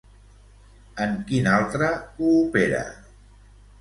En quin altre coopera?